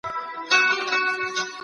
يو ماشوم پنځوس کتابونه لري.